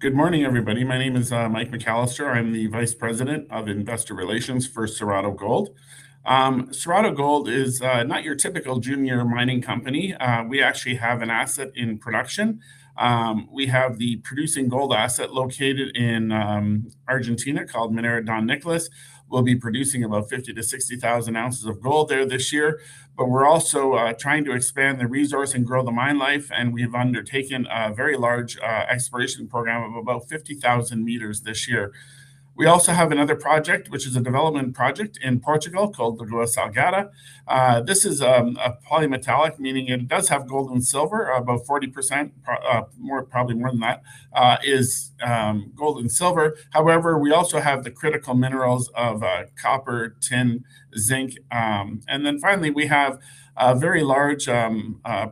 Good morning, everybody. My name is Mike McAllister. I'm the Vice President of Investor Relations for Cerrado Gold. Cerrado Gold is not your typical junior mining company. We actually have an asset in production. We have the producing gold asset located in Argentina called Minera Don Nicolás. We'll be producing about 50,000-60,000 ounces of gold there this year. We're also trying to expand the resource and grow the mine life, and we've undertaken a very large exploration program of about 50,000 meters this year. We also have another project, which is a development project in Portugal called Lagoa Salgada. This is a polymetallic, meaning it does have gold and silver, about 40%, probably more than that, is gold and silver. However, we also have the critical minerals of copper, tin, zinc. Then finally, we have a very large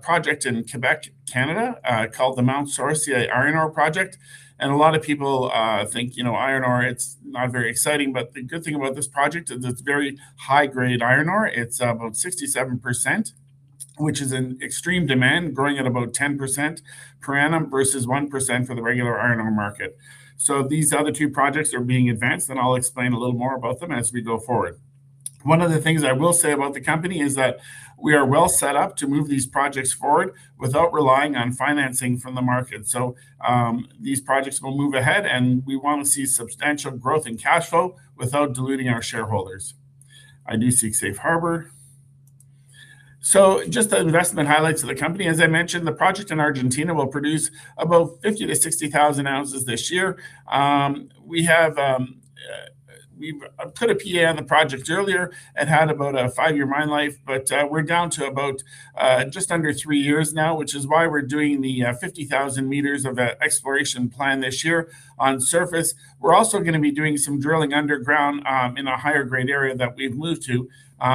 project in Quebec, Canada, called the Mont Sorcier Iron Ore Project. A lot of people think, you know, iron ore, it's not very exciting, but the good thing about this project is it's very high-grade iron ore. It's about 67%, which is in extreme demand, growing at about 10% per annum versus 1% for the regular iron ore market. These other two projects are being advanced, and I'll explain a little more about them as we go forward. One of the things I will say about the company is that we are well set up to move these projects forward without relying on financing from the market. These projects will move ahead, and we want to see substantial growth in cash flow without diluting our shareholders. I do seek safe harbor. Just the investment highlights of the company. As I mentioned, the project in Argentina will produce about 50,000-60,000 ounces this year. We have put a PEA on the project earlier. It had about a five-year mine life, but we're down to about just under three years now, which is why we're doing the 50,000 meters of exploration plan this year on surface. We're also gonna be doing some drilling underground in a higher-grade area that we've moved to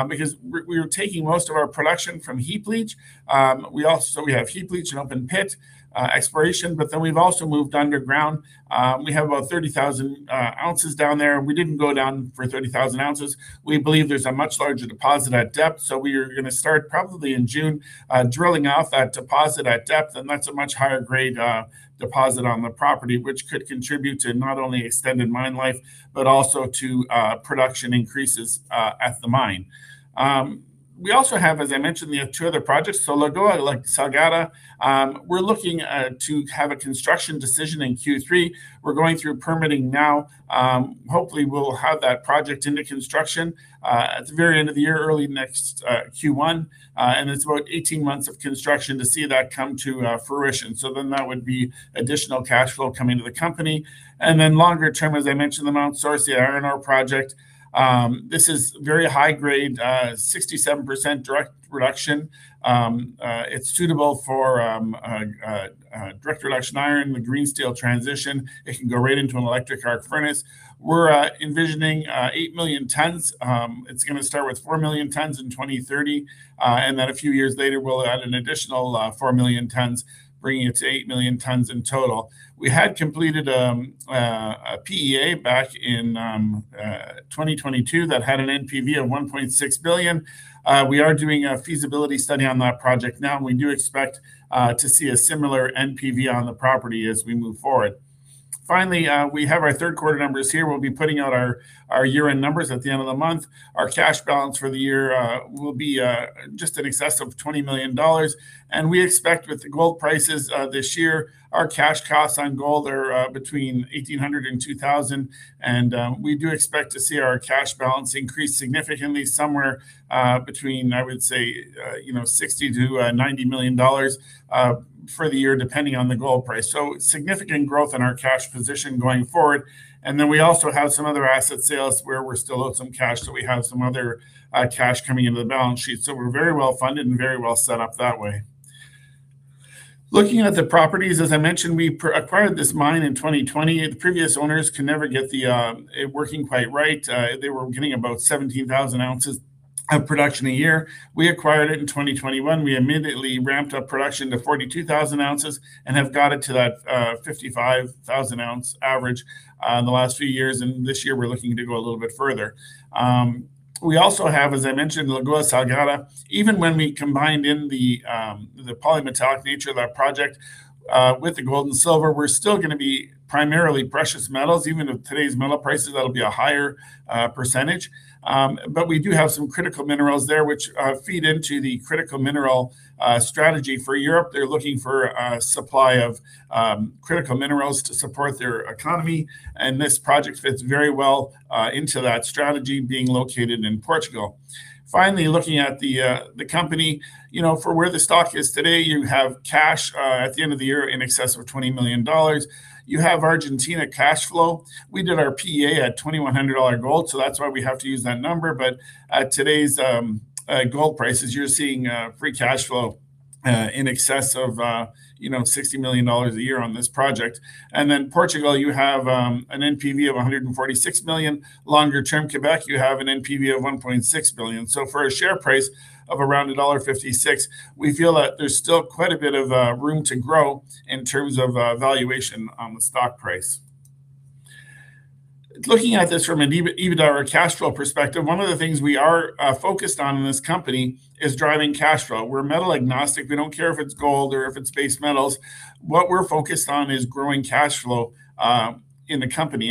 because we're taking most of our production from heap leach. We have heap leach, an open pit exploration, but then we've also moved underground. We have about 30,000 ounces down there, and we didn't go down for 30,000 ounces. We believe there's a much larger deposit at depth, so we are gonna start probably in June drilling out that deposit at depth, and that's a much higher-grade deposit on the property, which could contribute to not only extended mine life, but also to production increases at the mine. We also have, as I mentioned, the two other projects. Lagoa Salgada, we're looking to have a construction decision in Q3. We're going through permitting now. Hopefully, we'll have that project into construction at the very end of the year, early next Q1. It's about 18 months of construction to see that come to fruition. That would be additional cash flow coming to the company. Longer term, as I mentioned, the Mont Sorcier Iron Ore Project. This is very high grade, 67% direct reduction. It's suitable for direct reduced iron with green steel transition. It can go right into an electric arc furnace. We're envisioning 8 million tons. It's gonna start with 4 million tons in 2030, and then a few years later, we'll add an additional 4 million tons, bringing it to 8 million tons in total. We had completed a PEA back in 2022 that had an NPV of $1.6 billion. We are doing a feasibility study on that project now, and we do expect to see a similar NPV on the property as we move forward. Finally, we have our third quarter numbers here. We'll be putting out our year-end numbers at the end of the month. Our cash balance for the year will be just in excess of $20 million. We expect with the gold prices this year, our cash costs on gold are between $1,800-$2,000, and we do expect to see our cash balance increase significantly somewhere between, I would say, you know, $60 million-$90 million for the year, depending on the gold price. Significant growth in our cash position going forward. Then we also have some other asset sales where we're still owed some cash, so we have some other cash coming into the balance sheet. We're very well-funded and very well set up that way. Looking at the properties, as I mentioned, we acquired this mine in 2020. The previous owners could never get it working quite right. They were getting about 17,000 ounces of production a year. We acquired it in 2021. We immediately ramped up production to 42,000 ounces and have got it to that 55,000 ounce average in the last few years, and this year we're looking to go a little bit further. We also have, as I mentioned, Lagoa Salgada. Even when we combined in the polymetallic nature of that project with the gold and silver, we're still gonna be primarily precious metals. Even with today's metal prices, that'll be a higher percentage. But we do have some critical minerals there which feed into the critical mineral strategy for Europe. They're looking for a supply of critical minerals to support their economy, and this project fits very well into that strategy being located in Portugal. Finally, looking at the company, you know, for where the stock is today, you have cash at the end of the year in excess of $20 million. You have Argentina cash flow. We did our PEA at $2,100 gold, so that's why we have to use that number. But at today's gold prices, you're seeing free cash flow in excess of, you know, $60 million a year on this project. Portugal, you have an NPV of $146 million. Longer-term Quebec, you have an NPV of $1.6 billion. For a share price of around $1.56, we feel that there's still quite a bit of room to grow in terms of valuation on the stock price. Looking at this from an EBITDA or cash flow perspective, one of the things we are focused on in this company is driving cash flow. We're metal agnostic. We don't care if it's gold or if it's base metals. What we're focused on is growing cash flow in the company.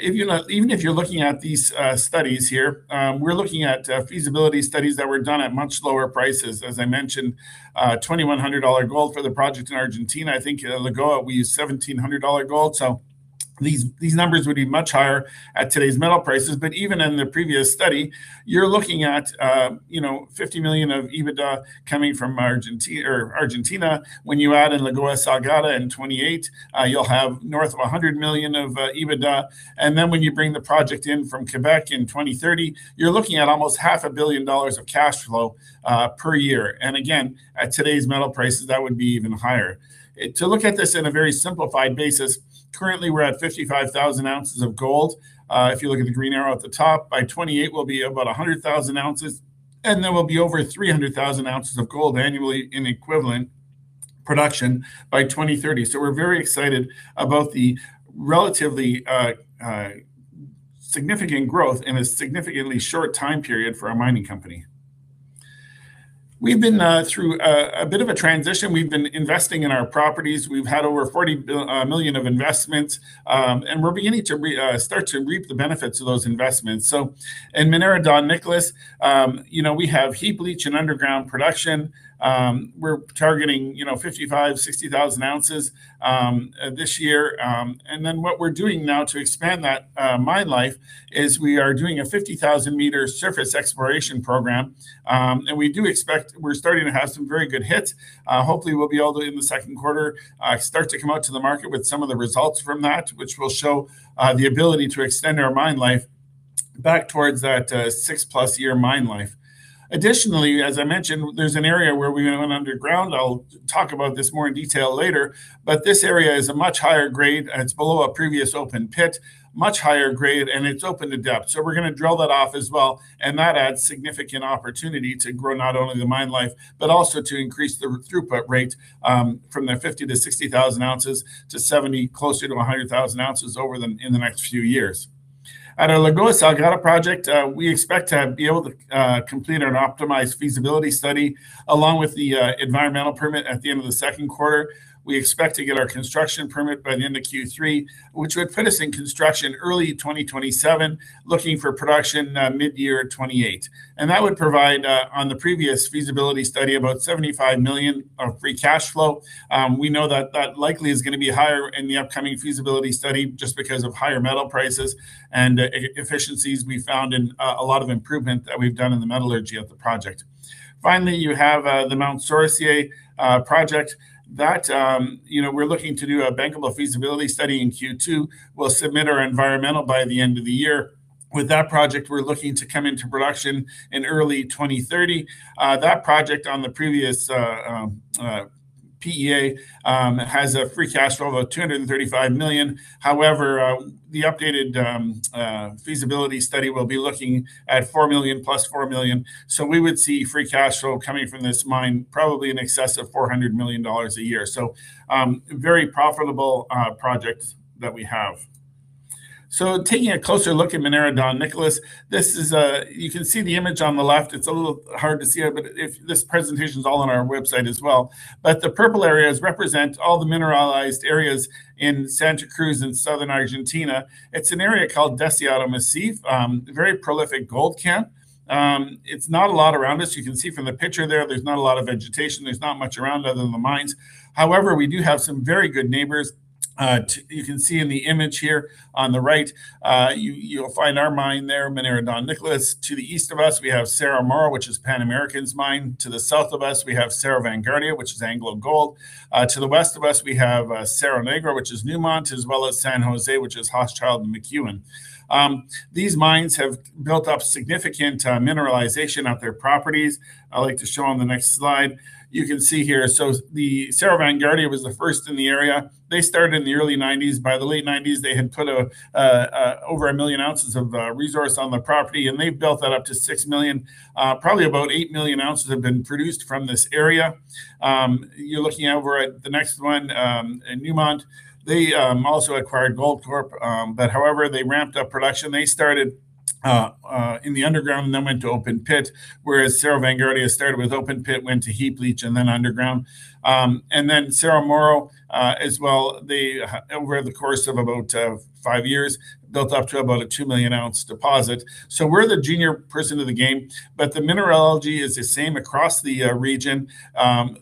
Even if you're looking at these studies here, we're looking at feasibility studies that were done at much lower prices. As I mentioned, $2,100 gold for the project in Argentina. I think Lagoa, we use $1,700 gold. These numbers would be much higher at today's metal prices. But even in the previous study, you're looking at $50 million of EBITDA coming from Argentina. When you add in Lagoa Salgada in 2028, you'll have north of $100 million of EBITDA. Then when you bring the project in from Quebec in 2030, you're looking at almost half a billion dollars of cash flow per year. Again, at today's metal prices, that would be even higher. To look at this in a very simplified basis, currently we're at 55,000 ounces of gold. If you look at the green arrow at the top, by 2028, we'll be about 100,000 ounces. Then we'll be over 300,000 ounces of gold annually in equivalent production by 2030. We're very excited about the relatively significant growth in a significantly short time period for a mining company. We've been through a bit of a transition. We've been investing in our properties. We've had over $40 million of investments, and we're beginning to start to reap the benefits of those investments. In Minera Don Nicolás, we have heap leach and underground production. We're targeting 55,000-60,000 ounces this year. Then what we're doing now to expand that mine life is we are doing a 50,000-meter surface exploration program. We do expect we're starting to have some very good hits. Hopefully, we'll be able to, in the second quarter, start to come out to the market with some of the results from that, which will show the ability to extend our mine life back towards that six-plus year mine life. Additionally, as I mentioned, there's an area where we went underground. I'll talk about this more in detail later. This area is a much higher grade, and it's below a previous open pit, much higher grade, and it's open to depth. We're going to drill that off as well. That adds significant opportunity to grow not only the mine life, but also to increase the throughput rate from 50,000-60,000 ounces to 70,000, closer to 100,000 ounces in the next few years. At our Lagoa Salgada project, we expect to be able to complete an optimized feasibility study along with the environmental permit at the end of the second quarter. We expect to get our construction permit by the end of Q3, which would finish construction in early 2027, looking for production mid-year 2028. That would provide, on the previous feasibility study, about $75 million of free cash flow. We know that likely is going to be higher in the upcoming feasibility study just because of higher metal prices and efficiencies we found and a lot of improvement that we've done in the metallurgy of the project. Finally, you have the Mont Sorcier project. That, you know, we're looking to do a bankable feasibility study in Q2. We'll submit our environmental by the end of the year. With that project, we're looking to come into production in early 2030. That project on the previous PEA has a free cash flow of $235 million. However, the updated feasibility study will be looking at $400 million. We would see free cash flow coming from this mine probably in excess of $400 million a year. Very profitable project that we have. Taking a closer look at Minera Don Nicolás, this is a, you can see the image on the left. It's a little hard to see it, but this presentation is all on our website as well. The purple areas represent all the mineralized areas in Santa Cruz in southern Argentina. It's an area called Deseado Massif, very prolific gold camp. There's not a lot around us. You can see from the picture there's not a lot of vegetation. There's not much around other than the mines. However, we do have some very good neighbors. You can see in the image here on the right, you'll find our mine there, Minera Don Nicolás. To the east of us, we have Cerro Moro, which is Pan American's mine. To the south of us, we have Cerro Vanguardia, which is AngloGold. To the west of us, we have Cerro Negro, which is Newmont, as well as San José, which is Hochschild and McEwen. These mines have built up significant mineralization of their properties. I like to show on the next slide. You can see here. The Cerro Vanguardia was the first in the area. They started in the early 1990s. By the late 1990s, they had put over 1 million ounces of resource on the property, and they built that up to 6 million. Probably about 8 million ounces have been produced from this area. You're looking over at the next one in Newmont. They also acquired Goldcorp. However, they ramped up production. They started in the underground and then went to open pit, whereas Cerro Vanguardia started with open pit, went to heap leach, and then underground. Cerro Moro as well, over the course of about five years, built up to about a 2 million ounce deposit. We're the junior player in the game, but the mineralogy is the same across the region.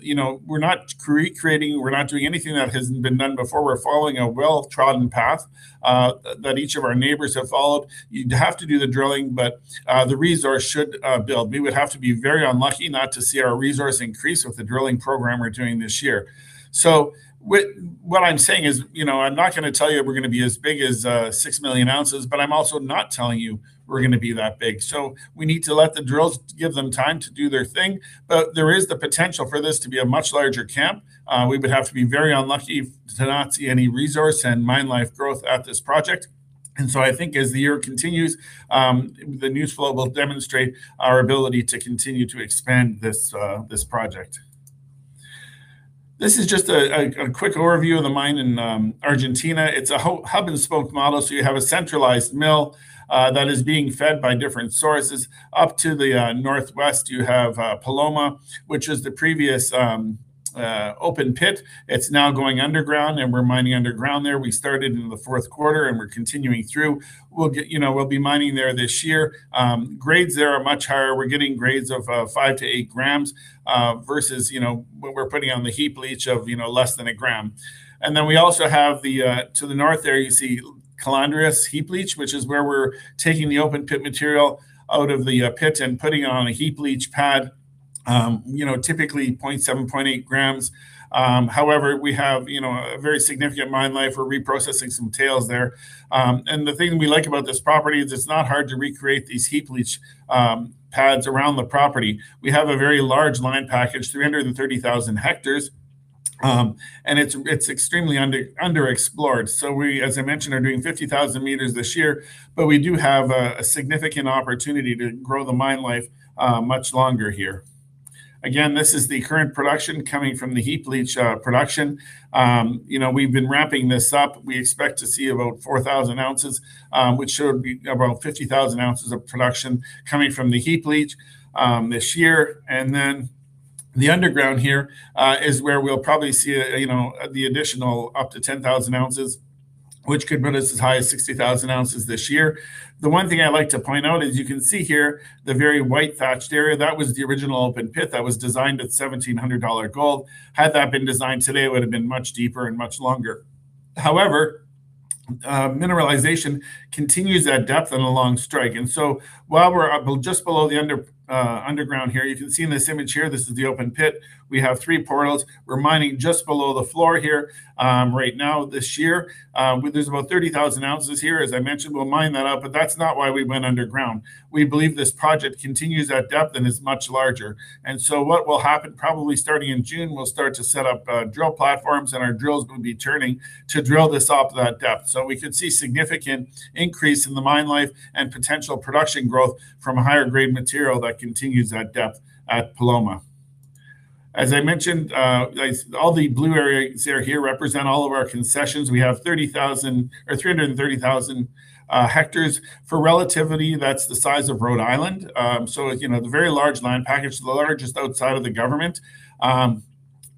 You know, we're not recreating. We're not doing anything that hasn't been done before. We're following a well-trodden path that each of our neighbors have followed. You have to do the drilling, but the resource should build. We would have to be very unlucky not to see our resource increase with the drilling program we're doing this year. What I'm saying is, you know, I'm not going to tell you we're going to be as big as 6 million ounces, but I'm also not telling you we're going to be that big. We need to let the drills give them time to do their thing. There is the potential for this to be a much larger camp. We would have to be very unlucky to not see any resource and mine life growth at this project. I think as the year continues, the news flow will demonstrate our ability to continue to expand this project. This is just a quick overview of the mine in Argentina. It's a hub and spoke model, so you have a centralized mill that is being fed by different sources. Up to the northwest you have Paloma, which is the previous open pit. It's now going underground, and we're mining underground there. We started in the fourth quarter, and we're continuing through. We'll, you know, we'll be mining there this year. Grades there are much higher. We're getting grades of 5-8 grams versus, you know, what we're putting on the heap leach of, you know, less than 1 gram. We also have the to the north there you see Las Calandrias Heap Leach, which is where we're taking the open pit material out of the pit and putting it on a heap leach pad, you know, typically 0.7 grams, 0.8 grams. However, we have, you know, a very significant mine life. We're reprocessing some tails there. And the thing we like about this property is it's not hard to recreate these heap leach pads around the property. We have a very large land package, 330,000 hectares, and it's extremely underexplored. We, as I mentioned, are doing 50,000 meters this year, but we do have a significant opportunity to grow the mine life much longer here. Again, this is the current production coming from the heap leach production. You know, we've been ramping this up. We expect to see about 4,000 ounces, which should be about 50,000 ounces of production coming from the heap leach this year. The underground here is where we'll probably see you know the additional up to 10,000 ounces, which could put us as high as 60,000 ounces this year. The one thing I like to point out is you can see here the very white hatched area. That was the original open pit that was designed at $1,700 gold. Had that been designed today, it would've been much deeper and much longer. However, mineralization continues at depth and along strike. While we're up just below the underground here, you can see in this image here, this is the open pit. We have three portals. We're mining just below the floor here right now this year. There's about 30,000 ounces here. As I mentioned, we'll mine that out, but that's not why we went underground. We believe this project continues at depth and is much larger. What will happen probably starting in June, we'll start to set up drill platforms and our drills will be turning to drill this up at that depth. We could see significant increase in the mine life and potential production growth from a higher grade material that continues at that depth at Paloma. As I mentioned, in this, all the blue areas that are here represent all of our concessions. We have 330,000 hectares. For relativity, that's the size of Rhode Island. So, you know, the very large land package, the largest outside of the government.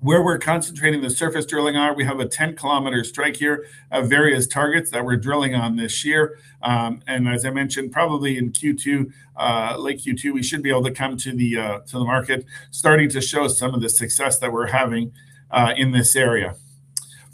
Where we're concentrating the surface drilling are, we have a 10-km strike here of various targets that we're drilling on this year. As I mentioned, probably in Q2, late Q2, we should be able to come to the market starting to show some of the success that we're having in this area.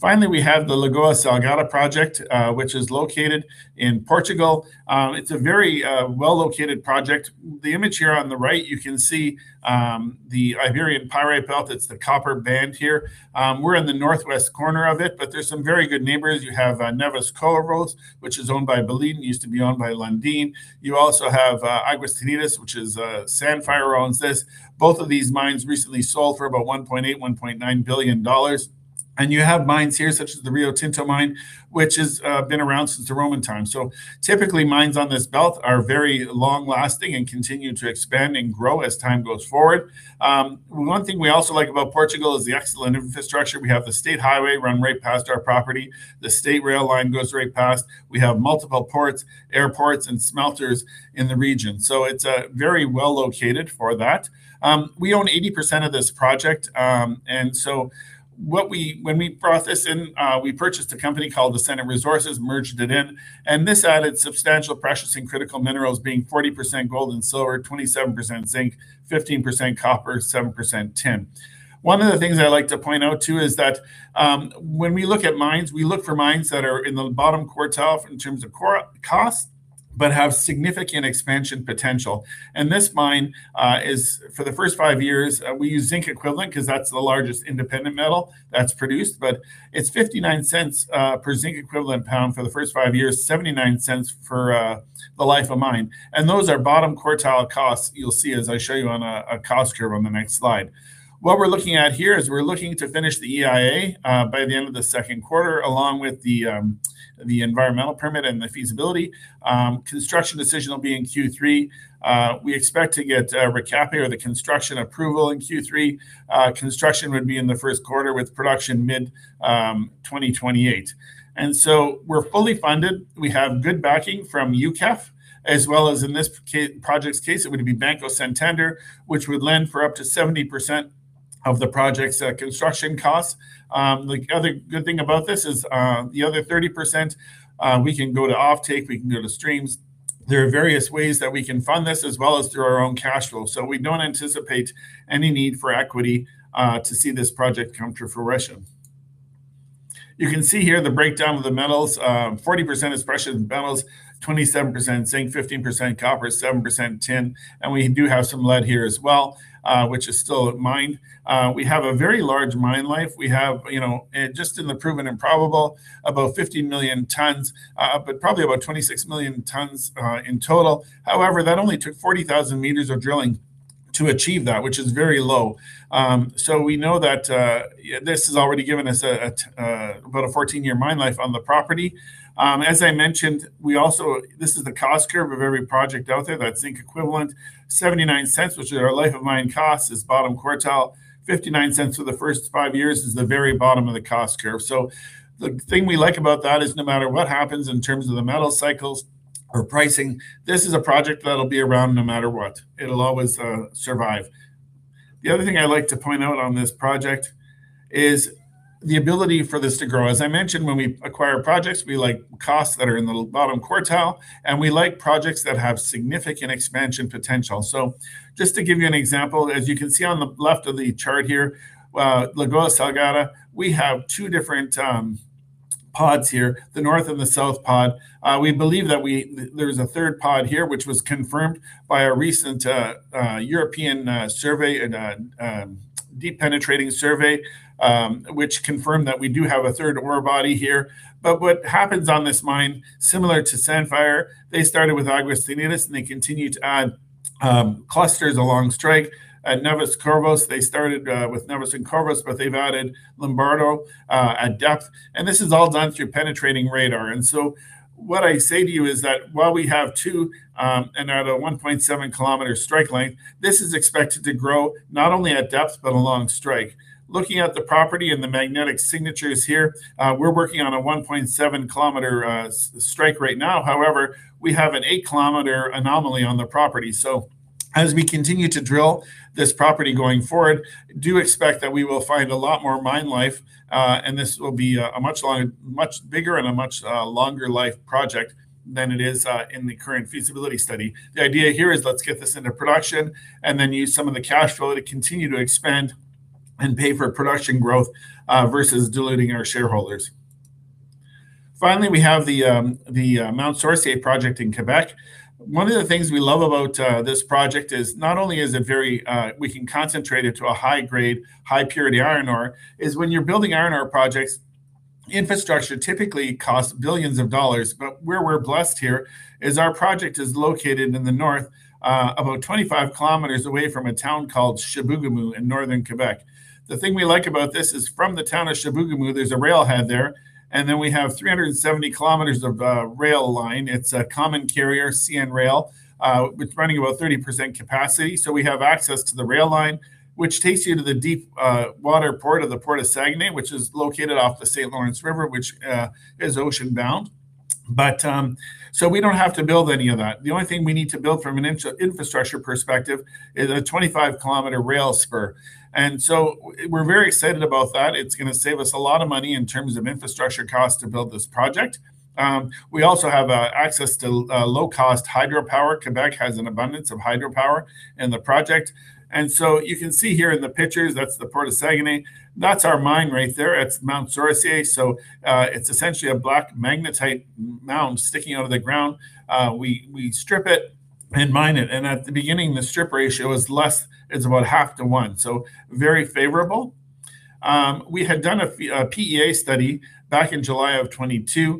Finally, we have the Lagoa Salgada project, which is located in Portugal. It's a very well-located project. The image here on the right, you can see, the Iberian Pyrite Belt. It's the copper band here. We're in the northwest corner of it, but there's some very good neighbors. You have Neves-Corvo, which is owned by Vale and used to be owned by Lundin. You also have Aguas Teñidas, which Sandfire owns. Both of these mines recently sold for about $1.8 billion-$1.9 billion. You have mines here such as the Rio Tinto mine, which has been around since the Roman times. Typically mines on this belt are very long-lasting and continue to expand and grow as time goes forward. One thing we also like about Portugal is the excellent infrastructure. We have the state highway run right past our property. The state rail line goes right past. We have multiple ports, airports, and smelters in the region, so it's very well located for that. We own 80% of this project. When we brought this in, we purchased a company called Ascendant Resources, merged it in, and this added substantial precious and critical minerals, being 40% gold and silver, 27% zinc, 15% copper, 7% tin. One of the things I like to point out too is that, when we look at mines, we look for mines that are in the bottom quartile in terms of cost, but have significant expansion potential. This mine is, for the first five years, we use zinc equivalent 'cause that's the largest independent metal that's produced, but it's $0.59 per zinc equivalent pound for the first five years, $0.79 for the life of mine. Those are bottom quartile costs you'll see as I show you on a cost curve on the next slide. What we're looking at here is we're looking to finish the EIA by the end of the second quarter, along with the environmental permit and the feasibility. Construction decision will be in Q3. We expect to get RECAPE or the construction approval in Q3. Construction would be in the first quarter with production mid 2028. We're fully funded. We have good backing from UKEF, as well as in this project's case it would be Banco Santander, which would lend for up to 70% of the project's construction costs. The other good thing about this is the other 30%, we can go to offtake, we can go to streams. There are various ways that we can fund this as well as through our own cash flow. We don't anticipate any need for equity to see this project come to fruition. You can see here the breakdown of the metals. 40% is precious metals, 27% zinc, 15% copper, 7% tin, and we do have some lead here as well, which is still mined. We have a very large mine life. We have, you know, just in the proven and probable, about 50 million tons, but probably about 26 million tons in total. However, that only took 40,000 meters of drilling to achieve that, which is very low. We know that this has already given us about a 14-year mine life on the property. This is the cost curve of every project out there. That's zinc equivalent. $0.79, which is our life of mine cost, is bottom quartile. $0.59 for the first five years is the very bottom of the cost curve. The thing we like about that is no matter what happens in terms of the metal cycles or pricing, this is a project that'll be around no matter what. It'll always survive. The other thing I like to point out on this project is the ability for this to grow. As I mentioned, when we acquire projects, we like costs that are in the bottom quartile, and we like projects that have significant expansion potential. Just to give you an example, as you can see on the left of the chart here, Lagoa Salgada, we have two different pods here, the north and the south pod. We believe that there is a third pod here, which was confirmed by a recent European survey and deep penetrating survey, which confirmed that we do have a third ore body here. What happens on this mine, similar to Sandfire, they started with Aguas Teñidas, and they continue to add clusters along strike. At Neves-Corvo, they started with Neves and Corvo, but they've added Lombador at depth. This is all done through penetrating radar. What I say to you is that while we have two, and at a 1.7 km strike length, this is expected to grow not only at depth but along strike. Looking at the property and the magnetic signatures here, we're working on a 1.7 km strike right now. However, we have an 8-km anomaly on the property. As we continue to drill this property going forward, do expect that we will find a lot more mine life, and this will be a much bigger and a much longer life project than it is in the current feasibility study. The idea here is let's get this into production and then use some of the cash flow to continue to expand and pay for production growth versus diluting our shareholders. Finally, we have the Mont Sorcier project in Quebec. One of the things we love about this project is we can concentrate it to a high grade, high purity iron ore when you're building iron ore projects, infrastructure typically costs billions of dollars. Where we're blessed here is our project is located in the north about 25 km away from a town called Chibougamau in northern Quebec. The thing we like about this is from the town of Chibougamau, there's a rail head there, and then we have 370 km of rail line. It's a common carrier, CN Rail, it's running about 30% capacity. We have access to the rail line, which takes you to the deep water port of the Port of Saguenay, which is located off the St. Lawrence River, which is ocean bound. We don't have to build any of that. The only thing we need to build from an infrastructure perspective is a 25 km rail spur. We're very excited about that. It's gonna save us a lot of money in terms of infrastructure costs to build this project. We also have access to low cost hydropower. Quebec has an abundance of hydropower in the project. You can see here in the pictures, that's the Port of Saguenay. That's our mine right there. It's Mont Sorcier. It's essentially a black magnetite mound sticking out of the ground. We strip it and mine it. At the beginning, the strip ratio is less. It's about 0.5-1, so very favorable. We had done a PEA study back in July 2022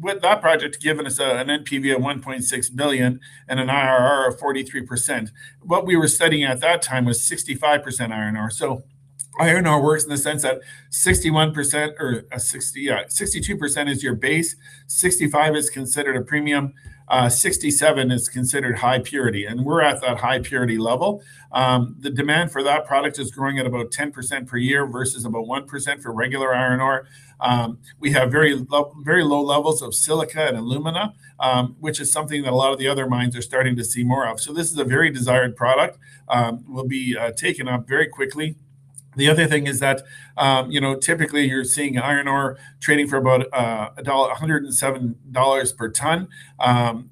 with that project giving us an NPV of $1.6 billion and an IRR of 43%. What we were studying at that time was 65% iron ore. Iron ore works in the sense that 61% or 62% is your base, 65% is considered a premium, 67% is considered high purity, and we're at that high purity level. The demand for that product is growing at about 10% per year versus about 1% for regular iron ore. We have very low levels of silica and alumina, which is something that a lot of the other mines are starting to see more of. This is a very desired product, will be taken up very quickly. The other thing is that, you know, typically you're seeing iron ore trading for about $107 per ton.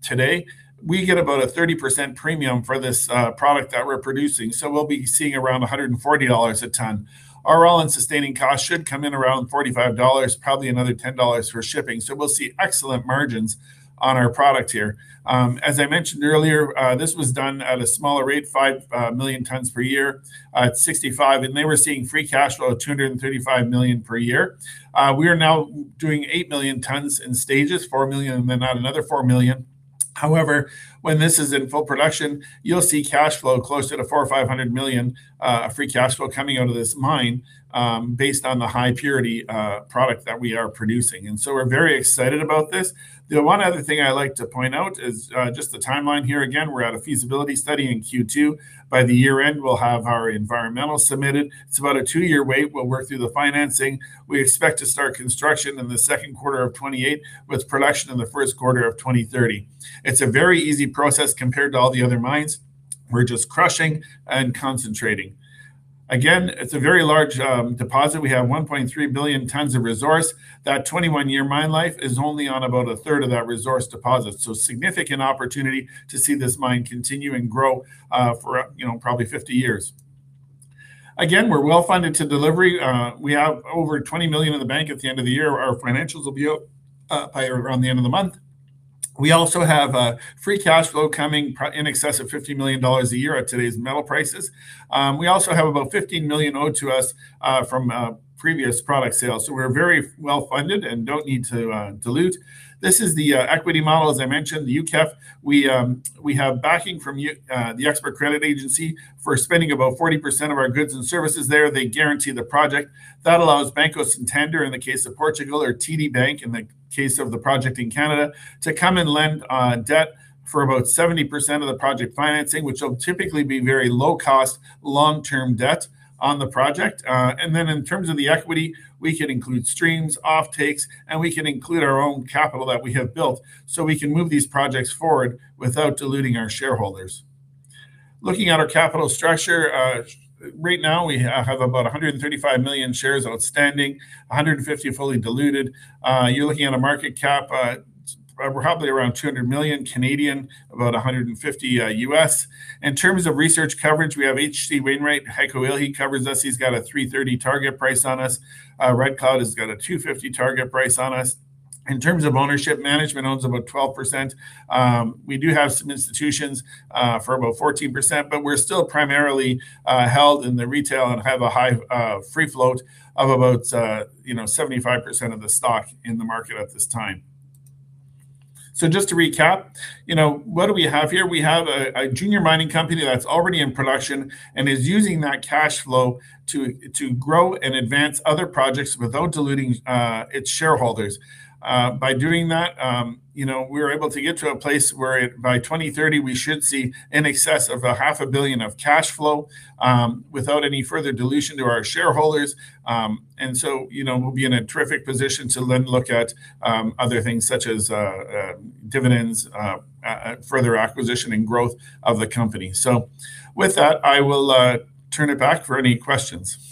Today, we get about a 30% premium for this product that we're producing. We'll be seeing around $140 a ton. Our all-in sustaining cost should come in around $45, probably another $10 for shipping. We'll see excellent margins on our product here. As I mentioned earlier, this was done at a smaller rate, 5 million tons per year at 65, and they were seeing free cash flow of $235 million per year. We are now doing 8 million tons in stages, 4 million and then add another 4 million. However, when this is in full production, you'll see cash flow close to the 400 million or 500 million free cash flow coming out of this mine, based on the high purity product that we are producing. We're very excited about this. The one other thing I like to point out is just the timeline here. Again, we're at a feasibility study in Q2. By the year-end, we'll have our environmental submitted. It's about a two-year wait. We'll work through the financing. We expect to start construction in the second quarter of 2028, with production in the first quarter of 2030. It's a very easy process compared to all the other mines. We're just crushing and concentrating. Again, it's a very large deposit. We have 1.3 billion tons of resource. That 21-year mine life is only on about a third of that resource deposit. Significant opportunity to see this mine continue and grow for, you know, probably 50 years. Again, we're well-funded to deliver. We have over $20 million in the bank at the end of the year. Our financials will be up by around the end of the month. We also have free cash flow coming in excess of $50 million a year at today's metal prices. We also have about $15 million owed to us from previous product sales. We're very well-funded and don't need to dilute. This is the equity model, as I mentioned, the UKEF. We have backing from the export credit agency for spending about 40% of our goods and services there. They guarantee the project. That allows Banco Santander in the case of Portugal or TD Bank in the case of the project in Canada to come and lend debt for about 70% of the project financing, which will typically be very low-cost long-term debt on the project. In terms of the equity, we can include streams, offtakes, and we can include our own capital that we have built, so we can move these projects forward without diluting our shareholders. Looking at our capital structure, right now we have about 135 million shares outstanding, 150 fully diluted. You're looking at a market cap, probably around $200 million, about $150 million. In terms of research coverage, we have H.C. Wainwright. Heiko Ihle, he covers us. He's got a $3.30 target price on us. Red Cloud Securities has got a $2.50 target price on us. In terms of ownership, management owns about 12%. We do have some institutions, for about 14%, but we're still primarily held in the retail and have a high free float of about, you know, 75% of the stock in the market at this time. Just to recap, you know, what do we have here? We have a junior mining company that's already in production and is using that cash flow to grow and advance other projects without diluting its shareholders. By doing that, you know, we're able to get to a place where, by 2030, we should see in excess of half a billion of cash flow without any further dilution to our shareholders. You know, we'll be in a terrific position to then look at other things such as dividends, further acquisition and growth of the company. With that, I will turn it back for any questions.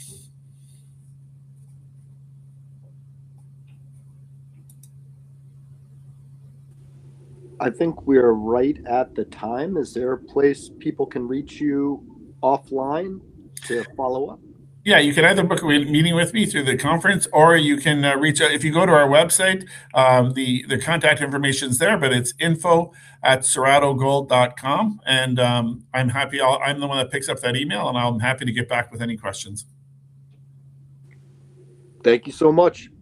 I think we're right at the time. Is there a place people can reach you offline to follow up? Yeah, you can either book a meeting with me through the conference or you can reach out. If you go to our website, the contact information's there, but it's info@cerradogold.com. I'm the one that picks up that email, and I'm happy to get back with any questions. Thank you so much. Thank you.